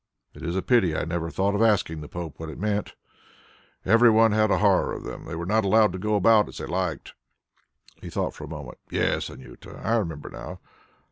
"It is a pity I never thought of asking the Pope what it meant. Every one had a horror of them. They were not allowed to go about as they liked." He thought for a moment. "Yes, Anjuta, I remember now.